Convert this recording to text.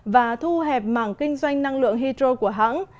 và thu hẹp mảng kinh doanh năng lượng hydro của hãng